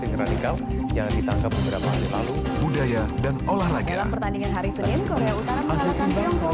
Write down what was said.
jurnal siang hanya di berita satu